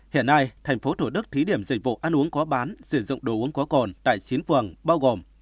hiện nay thành phố thủ đức thí điểm dịch vụ ăn uống có bán sử dụng đồ uống có cồn tại chín vườn bao gồm